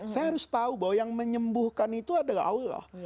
saya harus tahu bahwa yang menyembuhkan itu adalah allah